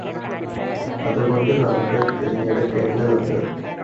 അതുകൊണ്ട് നമുക്ക് തിരഞ്ഞെടുക്കേണ്ടതുണ്ട്